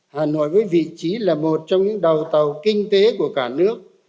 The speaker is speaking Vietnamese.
hà nội với vị trí là một trong những đầu tàu kinh tế của cả nước